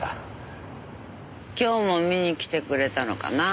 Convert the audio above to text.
今日も見に来てくれたのかなぁ？